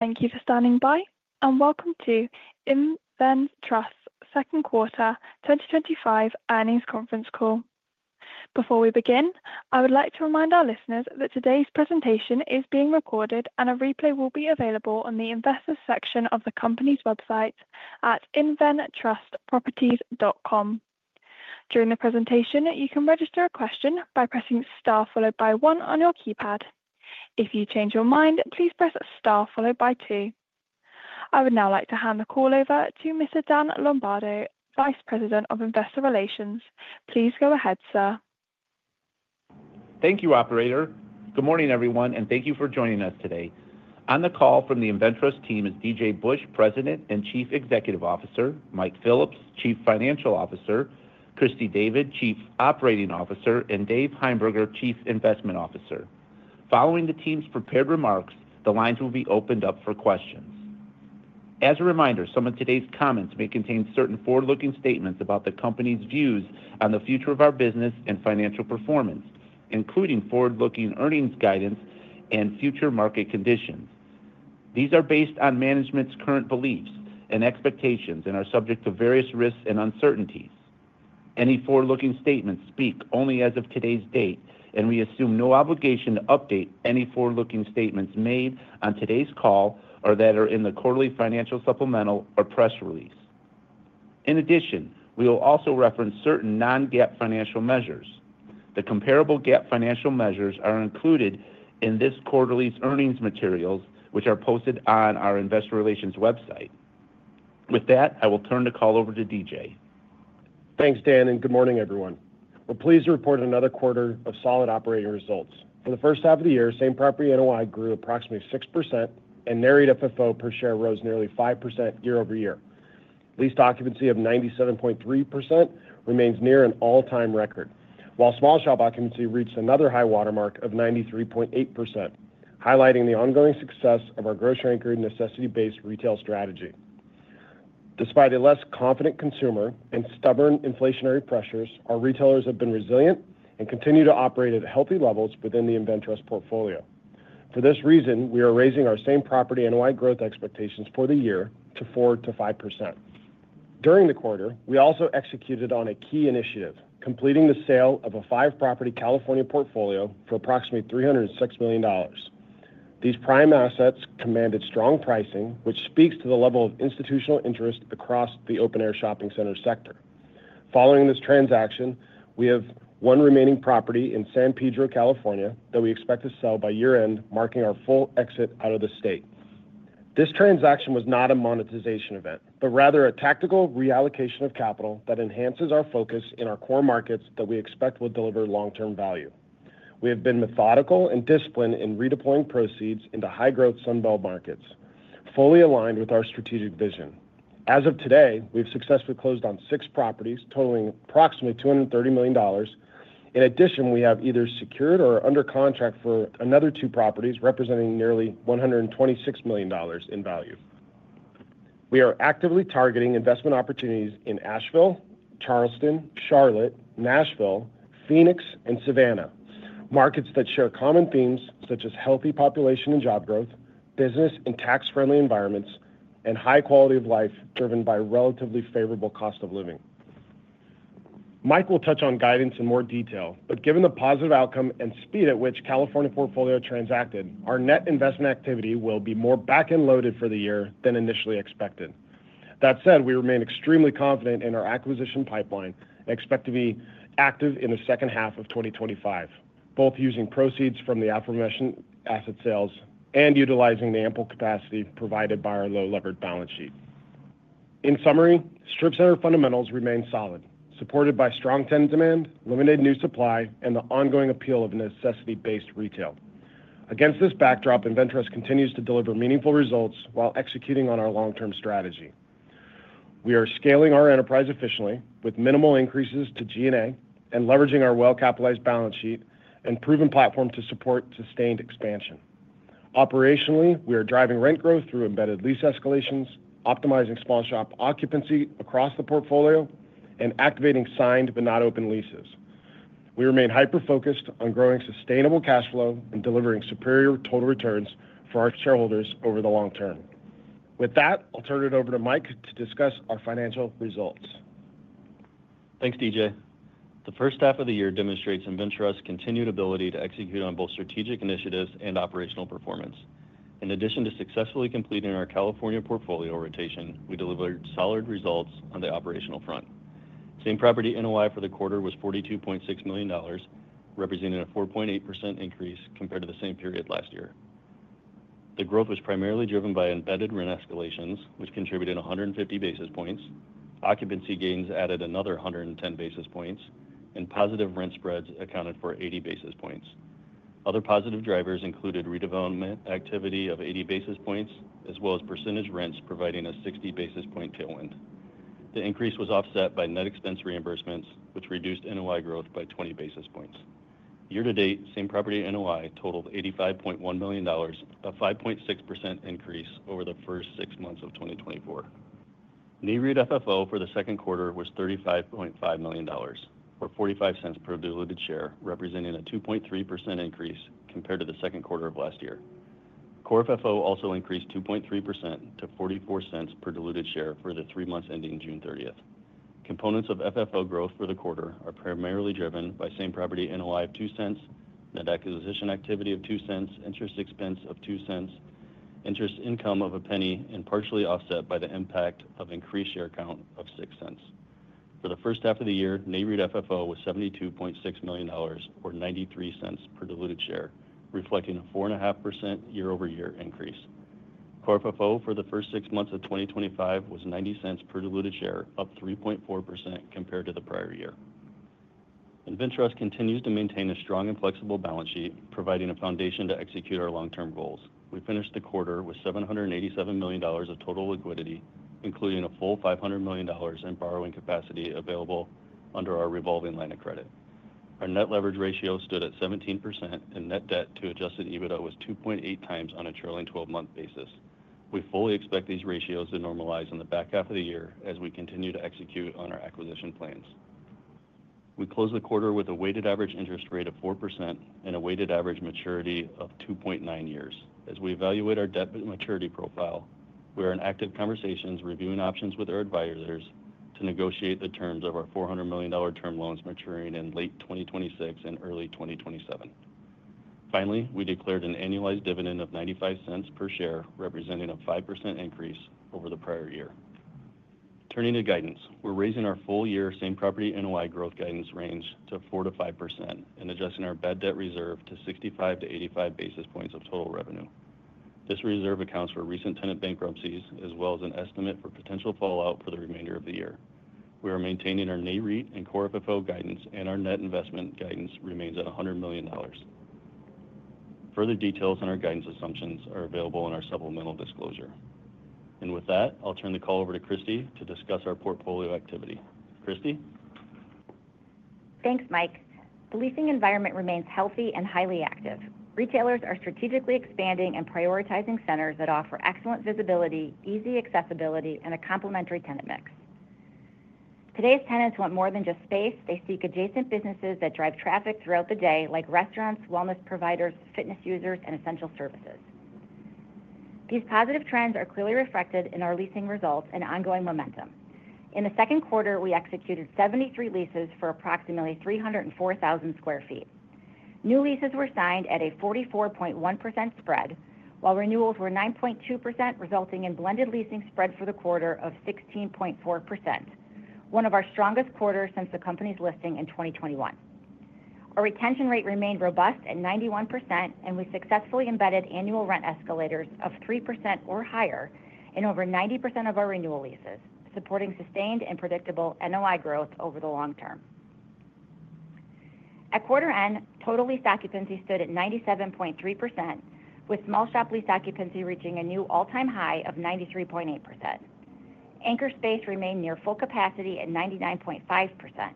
Thank you for standing by and welcome to InvenTrust second quarter 2025 earnings conference call. Before we begin, I would like to remind our listeners that today's presentation is being recorded, and a replay will be available on the Investors section of the company's website at inventrustproperties.com. During the presentation, you can register a question by pressing star one on your keypad. If you change your mind, please press star two. I would now like to hand the call over to Mr. Dan Lombardo, Vice President of Investor Relations. Please go ahead, sir. Thank you, operator. Good morning, everyone, and thank you for joining us today. On the call from the InvenTrust team is DJ Busch, President and Chief Executive Officer, Mike Phillips, Chief Financial Officer, Christy David, Chief Operating Officer, and Dave Heimberger, Chief Investment Officer. Following the team's prepared remarks, the lines will be opened up for questions. As a reminder, some of today's comments may contain certain forward-looking statements about the company's views on the future of our business and financial performance, including forward-looking earnings guidance and future market conditions. These are based on management's current beliefs and expectations and are subject to various risks and uncertainties. Any forward-looking statements speak only as of today's date, and we assume no obligation to update any forward-looking statements made on today's call or that are in the quarterly financial supplemental or press release. In addition, we will also reference certain non-GAAP financial measures. The comparable GAAP financial measures are included in this quarter's earnings materials, which are posted on our Investor Relations website. With that, I will turn the call over to DJ. Thanks, Dan, and good morning, everyone. We're pleased to report another quarter of solid operating results. For the first half of the year, same property NOI grew approximately 6%, and NAREIT FFO per share rose nearly 5% year-over-year. Leased occupancy of 97.3% remains near an all-time record, while small shop occupancy reached another high watermark of 93.8%, highlighting the ongoing success of our grocery-anchored necessity-based retail strategy. Despite a less confident consumer and stubborn inflationary pressures, our retailers have been resilient and continue to operate at healthy levels within the InvenTrust portfolio. For this reason, we are raising our same property NOI growth expectations for the year to 4%-5%. During the quarter, we also executed on a key initiative, completing the sale of a five-property California portfolio for approximately $306 million. These prime assets commanded strong pricing, which speaks to the level of institutional interest across the open-air shopping center sector. Following this transaction, we have one remaining property in San Pedro, California, that we expect to sell by year-end, marking our full exit out of the state. This transaction was not a monetization event, but rather a tactical reallocation of capital that enhances our focus in our core markets that we expect will deliver long-term value. We have been methodical and disciplined in redeploying proceeds into high-growth Sunbelt markets, fully aligned with our strategic vision. As of today, we have successfully closed on six properties, totaling approximately $230 million. In addition, we have either secured or are under contract for another two properties, representing nearly $126 million in value. We are actively targeting investment opportunities in Asheville, Charleston, Charlotte, Nashville, Phoenix, and Savannah, markets that share common themes such as healthy population and job growth, business and tax-friendly environments, and high quality of life driven by relatively favorable cost of living. Mike will touch on guidance in more detail, but given the positive outcome and speed at which the California portfolio transacted, our net investment activity will be more back-end loaded for the year than initially expected. That said, we remain extremely confident in our acquisition pipeline and expect to be active in the second half of 2025, both using proceeds from the aforementioned asset sales and utilizing the ample capacity provided by our low-leveraged balance sheet. In summary, strip center fundamentals remain solid, supported by strong tenant demand, limited new supply, and the ongoing appeal of necessity-based retail. Against this backdrop, InvenTrust continues to deliver meaningful results while executing on our long-term strategy. We are scaling our enterprise efficiently, with minimal increases to G&A and leveraging our well-capitalized balance sheet and proven platform to support sustained expansion. Operationally, we are driving rent growth through embedded lease escalations, optimizing small shop occupancy across the portfolio, and activating signed but not open leases. We remain hyper-focused on growing sustainable cash flow and delivering superior total returns for our shareholders over the long term. With that, I'll turn it over to Mike to discuss our financial results. Thanks, DJ. The first half of the year demonstrates InvenTrust's continued ability to execute on both strategic initiatives and operational performance. In addition to successfully completing our California portfolio rotation, we delivered solid results on the operational front. Same property NOI for the quarter was $42.6 million, representing a 4.8% increase compared to the same period last year. The growth was primarily driven by embedded rent escalations, which contributed 150 basis points. Occupancy gains added another 110 basis points, and positive rent spreads accounted for 80 basis points. Other positive drivers included redevelopment activity of 80 basis points, as well as percentage rents providing a 60 basis point tailwind. The increase was offset by net expense reimbursements, which reduced NOI growth by 20 basis points. Year to date, same property NOI totaled $85.1 million, a 5.6% increase over the first six months of 2024. NAREIT FFO for the second quarter was $35.5 million, or $0.45 per diluted share, representing a 2.3% increase compared to the second quarter of last year. Core FFO also increased 2.3% to $0.44 per diluted share for the three months ending June 30. Components of FFO growth for the quarter are primarily driven by same property NOI of $0.02, net acquisition activity of $0.02, interest expense of $0.02, interest income of $0.01, and partially offset by the impact of increased share count of $0.06. For the first half of the year, NAREIT FFO was $72.6 million, or $0.93 per diluted share, reflecting a 4.5% year-over-year increase. Core FFO for the first six months of 2024 was $0.90 per diluted share, up 3.4% compared to the prior year. InvenTrust continues to maintain a strong and flexible balance sheet, providing a foundation to execute our long-term goals. We finished the quarter with $787 million of total liquidity, including a full $500 million in borrowing capacity available under our revolving line of credit. Our net leverage ratio stood at 17%, and net debt to adjusted EBITDA was 2.8x on a trailing 12-month basis. We fully expect these ratios to normalize in the back half of the year as we continue to execute on our acquisition plans. We close the quarter with a weighted average interest rate of 4% and a weighted average maturity of 2.9 years. As we evaluate our debt maturity profile, we are in active conversations reviewing options with our advisors to negotiate the terms of our $400 million term loans maturing in late 2026 and early 2027. Finally, we declared an annualized dividend of $0.95 per share, representing a 5% increase over the prior year. Turning to guidance, we're raising our full-year same property NOI growth guidance range to 4%-5% and adjusting our bad debt reserve to 65-85 basis points of total revenue. This reserve accounts for recent tenant bankruptcies as well as an estimate for potential fallout for the remainder of the year. We are maintaining our NAREIT and core FFO guidance, and our net investment guidance remains at $100 million. Further details on our guidance assumptions are available in our supplemental disclosure. With that, I'll turn the call over to Christy to discuss our portfolio activity. Christy? Thanks, Mike. The leasing environment remains healthy and highly active. Retailers are strategically expanding and prioritizing centers that offer excellent visibility, easy accessibility, and a complementary tenant mix. Today's tenants want more than just space; they seek adjacent businesses that drive traffic throughout the day, like restaurants, wellness providers, fitness users, and essential services. These positive trends are clearly reflected in our leasing results and ongoing momentum. In the second quarter, we executed 73 leases for approximately 304,000 sq ft. New leases were signed at a 44.1% spread, while renewals were 9.2%, resulting in blended leasing spread for the quarter of 16.4%, one of our strongest quarters since the company's listing in 2021. Our retention rate remained robust at 91%, and we successfully embedded annual rent escalators of 3% or higher in over 90% of our renewal leases, supporting sustained and predictable NOI growth over the long term. At quarter end, total lease occupancy stood at 97.3%, with small shop lease occupancy reaching a new all-time high of 93.8%. Anchor space remained near full capacity at 99.5%,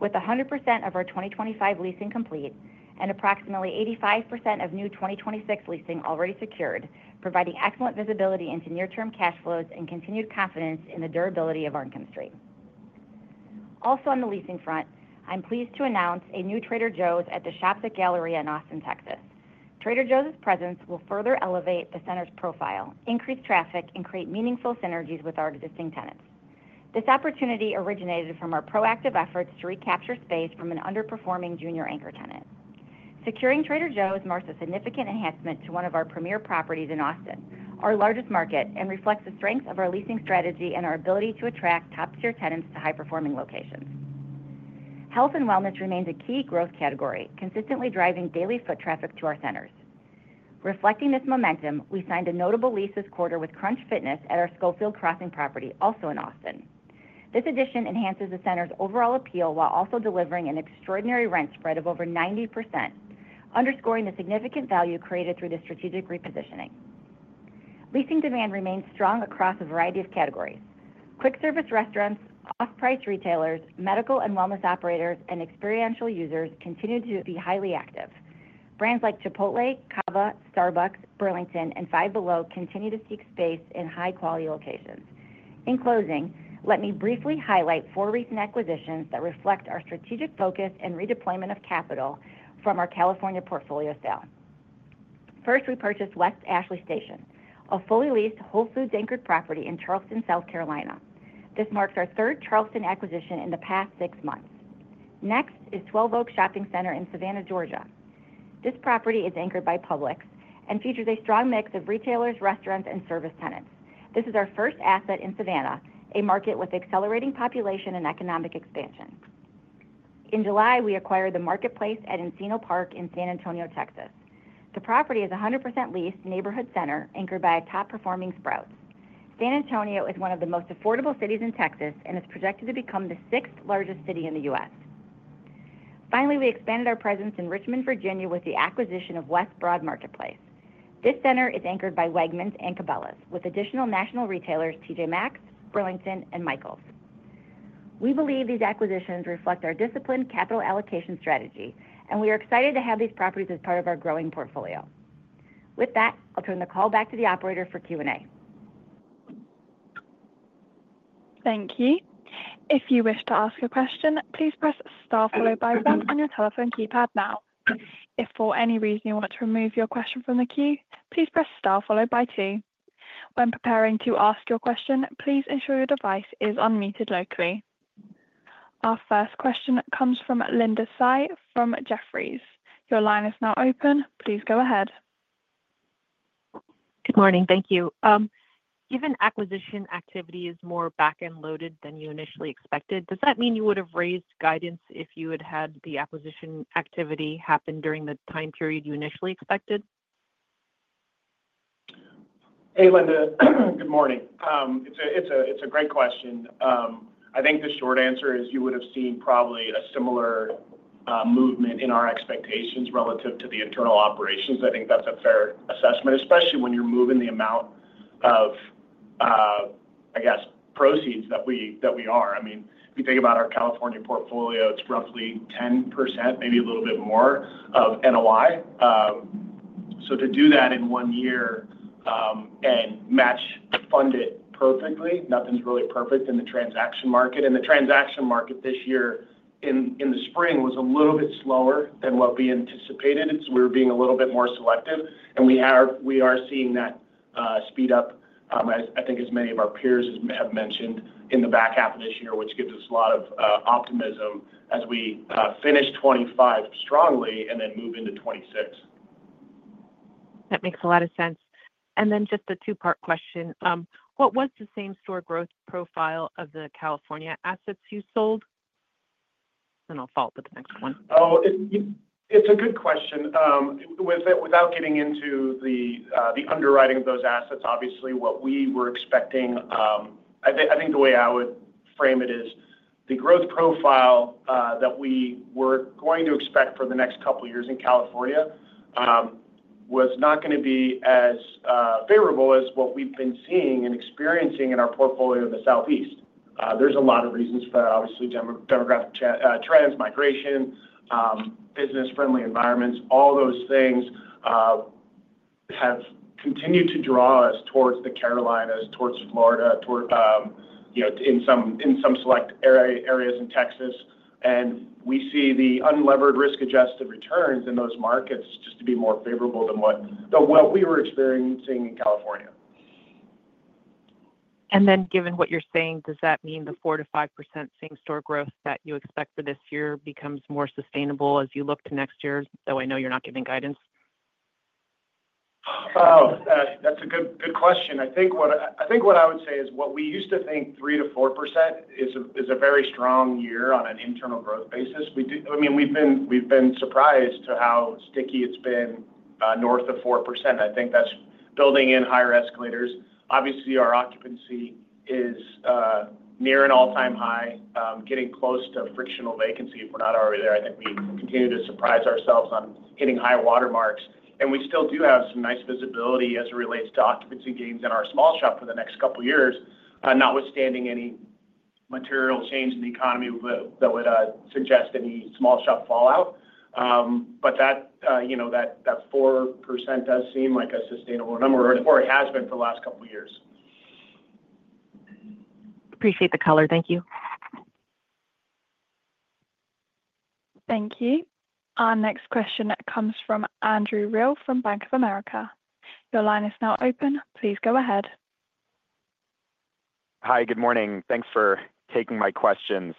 with 100% of our 2025 leasing complete and approximately 85% of new 2026 leasing already secured, providing excellent visibility into near-term cash flows and continued confidence in the durability of our income stream. Also on the leasing front, I'm pleased to announce a new Trader Joe’s at the Shops at Galleria in Austin, Texas. Trader Joe’s presence will further elevate the center's profile, increase traffic, and create meaningful synergies with our existing tenants. This opportunity originated from our proactive efforts to recapture space from an underperforming junior anchor tenant. Securing Trader Joe’s marks a significant enhancement to one of our premier properties in Austin, our largest market, and reflects the strengths of our leasing strategy and our ability to attract top-tier tenants to high-performing locations. Health and wellness remains a key growth category, consistently driving daily foot traffic to our centers. Reflecting this momentum, we signed a notable lease this quarter with Crunch Fitness at our Schofield Crossing property, also in Austin. This addition enhances the center's overall appeal while also delivering an extraordinary rent spread of over 90%, underscoring the significant value created through the strategic repositioning. Leasing demand remains strong across a variety of categories. Quick service restaurants, off-price retailers, medical and wellness operators, and experiential users continue to be highly active. Brands like Chipotle, Kava, Starbucks, Burlington, and Five Below continue to seek space in high-quality locations. In closing, let me briefly highlight four recent acquisitions that reflect our strategic focus and redeployment of capital from our California portfolio sale. First, we purchased West Ashley Station, a fully leased Whole Foods anchored property in Charleston, South Carolina. This marks our third Charleston acquisition in the past six months. Next is Twelve Oak Shopping Center in Savannah, Georgia. This property is anchored by Publix and features a strong mix of retailers, restaurants, and service tenants. This is our first asset in Savannah, a market with accelerating population and economic expansion. In July, we acquired the Marketplace at Encino Park in San Antonio, Texas. The property is 100% leased, neighborhood center, anchored by top-performing Sprouts. San Antonio is one of the most affordable cities in Texas and is projected to become the sixth largest city in the U.S. Finally, we expanded our presence in Richmond, Virginia, with the acquisition of West Broad Marketplace. This center is anchored by Wegmans and Cabela's, with additional national retailers TJ Maxx, Burlington, and Michaels. We believe these acquisitions reflect our disciplined capital allocation strategy, and we are excited to have these properties as part of our growing portfolio. With that, I'll turn the call back to the operator for Q&A. Thank you. If you wish to ask a question, please press star one on your telephone keypad now. If for any reason you want to remove your question from the queue, please press star two. When preparing to ask your question, please ensure your device is unmuted locally. Our first question comes from Linda Tsai from Jefferies. Your line is now open. Please go ahead. Good morning. Thank you. Given acquisition activity is more back-end loaded than you initially expected, does that mean you would have raised guidance if you had had the acquisition activity happen during the time period you initially expected? Hey, Linda. Good morning. It's a great question. I think the short answer is you would have seen probably a similar movement in our expectations relative to the internal operations. I think that's a fair assessment, especially when you're moving the amount of, I guess, proceeds that we are. I mean, if you think about our California portfolio, it's roughly 10%, maybe a little bit more of NOI. To do that in one year and match fund it perfectly, nothing's really perfect in the transaction market. The transaction market this year in the spring was a little bit slower than what we anticipated. We were being a little bit more selective. We are seeing that speed up, as I think as many of our peers have mentioned, in the back half of this year, which gives us a lot of optimism as we finish 2025 strongly and then move into 2026. That makes a lot of sense. Just a two-part question. What was the same store growth profile of the California assets you sold? I'll follow up with the next one. Oh, it's a good question. Without getting into the underwriting of those assets, obviously what we were expecting, I think the way I would frame it is the growth profile that we were going to expect for the next couple of years in California was not going to be as favorable as what we've been seeing and experiencing in our portfolio in the Southeast. There's a lot of reasons for that, obviously. Demographic trends, migration, business-friendly environments, all those things have continued to draw us towards the Carolinas, towards Florida, in some select areas in Texas. We see the unlevered risk-adjusted returns in those markets just to be more favorable than what we were experiencing in California. Given what you're saying, does that mean the 4%-5% same store growth that you expect for this year becomes more sustainable as you look to next year, though I know you're not giving guidance? Oh, that's a good question. I think what I would say is what we used to think 3%-4% is a very strong year on an internal growth basis. I mean, we've been surprised to how sticky it's been north of 4%. I think that's building in higher escalators. Obviously, our occupancy is near an all-time high, getting close to frictional vacancy if we're not already there. I think we continue to surprise ourselves on hitting high watermarks. We still do have some nice visibility as it relates to occupancy gains in our small shop for the next couple of years, notwithstanding any material change in the economy that would suggest any small shop fallout. That 4% does seem like a sustainable number, or it has been for the last couple of years. Appreciate the color. Thank you. Thank you. Our next question comes from Andrew Reale from Bank of America. Your line is now open. Please go ahead. Hi, good morning. Thanks for taking my questions.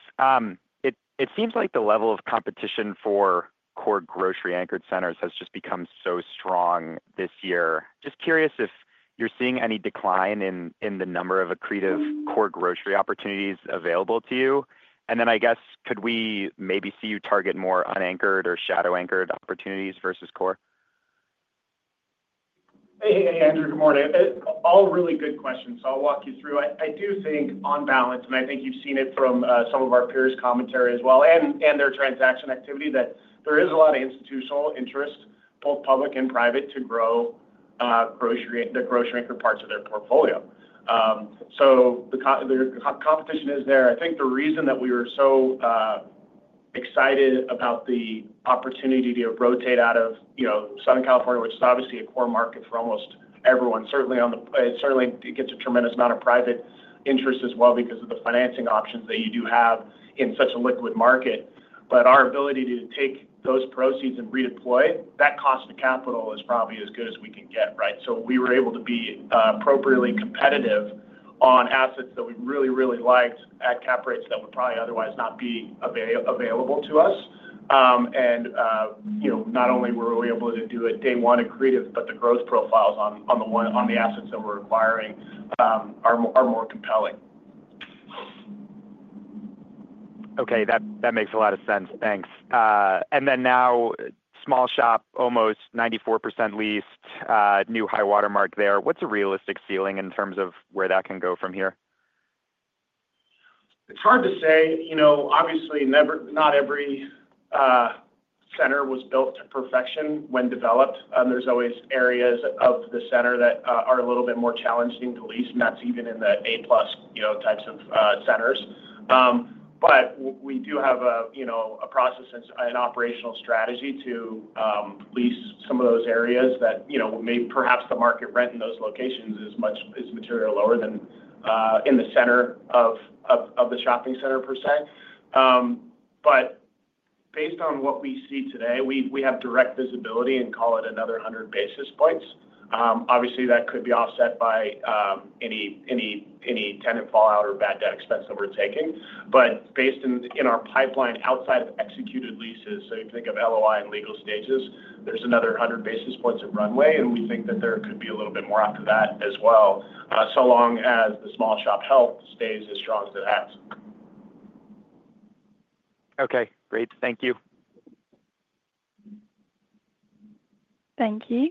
It seems like the level of competition for core grocery-anchored centers has just become so strong this year. Just curious if you're seeing any decline in the number of accretive core grocery opportunities available to you. Could we maybe see you target more unanchored or shadow-anchored opportunities versus core? Hey, hey, hey, Andrew. Good morning. All really good questions. I'll walk you through. I do think on balance, and I think you've seen it from some of our peers' commentary as well and their transaction activity, that there is a lot of institutional interest, both public and private, to grow the grocery-anchored parts of their portfolio. The competition is there. I think the reason that we were so excited about the opportunity to rotate out of Southern California, which is obviously a core market for almost everyone, certainly, it certainly gets a tremendous amount of private interest as well because of the financing options that you do have in such a liquid market. Our ability to take those proceeds and redeploy that cost of capital is probably as good as we can get, right? We were able to be appropriately competitive on assets that we really, really liked at cap rates that would probably otherwise not be available to us. Not only were we able to do it day one accretive, but the growth profiles on the assets that we're acquiring are more compelling. Okay, that makes a lot of sense. Thanks. Now small shop, almost 94% leased, new high watermark there. What's a realistic ceiling in terms of where that can go from here? It's hard to say. Obviously, not every center was built to perfection when developed. There's always areas of the center that are a little bit more challenging to lease, and that's even in the A-plus types of centers. We do have a process and an operational strategy to lease some of those areas that may, perhaps, the market rent in those locations is much materially lower than in the center of the shopping center per se. Based on what we see today, we have direct visibility and call it another 100 basis points. That could be offset by any tenant fallout or bad debt expense that we're taking. Based in our pipeline outside of executed leases, so you think of LOI and legal stages, there's another 100 basis points of runway, and we think that there could be a little bit more after that as well, as long as the small shop health stays as strong as it has. Okay, great. Thank you. Thank you.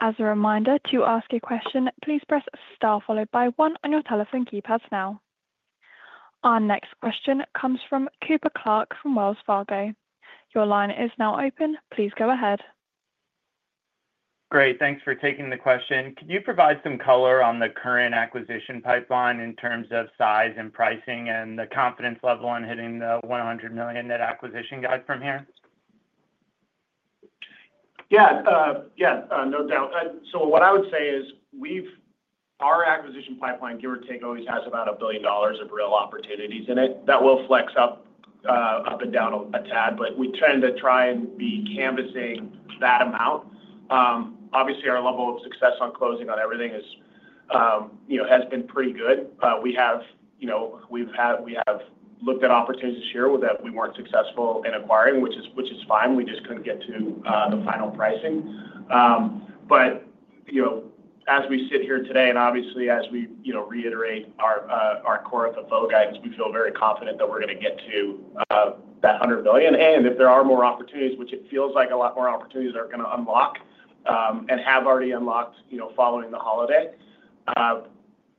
As a reminder, to ask a question, please press star one on your telephone keypads now. Our next question comes from Cooper Clark from Wells Fargo. Your line is now open. Please go ahead. Great. Thanks for taking the question. Could you provide some color on the current acquisition pipeline in terms of size and pricing, and the confidence level on hitting the $100 million net acquisition guide from here? Yeah, no doubt. What I would say is our acquisition pipeline, give or take, always has about $1 billion of real opportunities in it that will flex up and down a tad. We tend to try and be canvassing that amount. Obviously, our level of success on closing on everything has been pretty good. We have looked at opportunities this year that we weren't successful in acquiring, which is fine. We just couldn't get to the final pricing. As we sit here today, and obviously as we reiterate our core FFO guidance, we feel very confident that we're going to get to that $100 million. If there are more opportunities, which it feels like a lot more opportunities are going to unlock and have already unlocked following the holiday,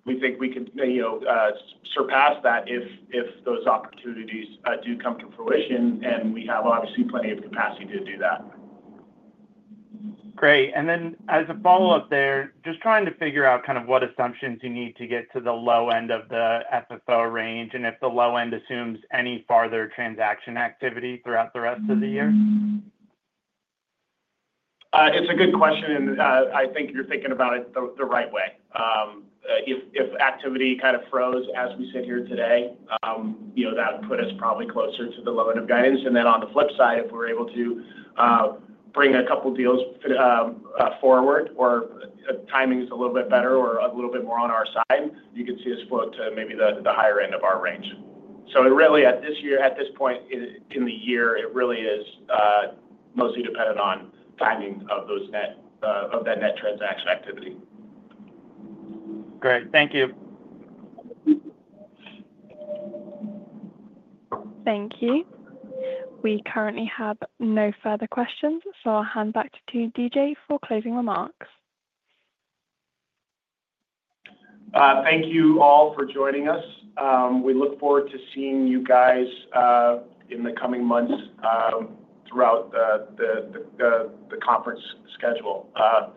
we think we could surpass that if those opportunities do come to fruition. We have obviously plenty of capacity to do that. Great. As a follow-up there, just trying to figure out what assumptions you need to get to the low end of the FFO range and if the low end assumes any farther transaction activity throughout the rest of the year. It's a good question. I think you're thinking about it the right way. If activity kind of froze as we sit here today, that would put us probably closer to the low end of guidance. On the flip side, if we're able to bring a couple of deals forward or timing is a little bit better or a little bit more on our side, you could see us float to maybe the higher end of our range. At this point in the year, it really is mostly dependent on timing of that net transaction activity. Great. Thank you. Thank you. We currently have no further questions, so I'll hand back to DJ for closing remarks. Thank you all for joining us. We look forward to seeing you in the coming months throughout the conference schedule.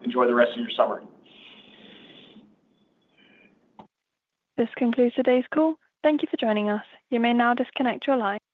Enjoy the rest of your summer. This concludes today's call. Thank you for joining us. You may now disconnect your line.